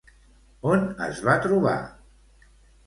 On es va trobar?